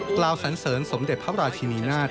กล่าวสันเสริญสมเด็จพระราชินีนาฏ